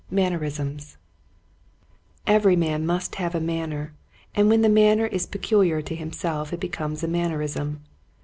Mannerisms, Every man must have a manner and when the manner is peculiar to himself it becomes a mannerism.